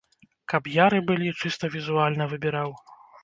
Каб яры былі, чыста візуальна выбіраў.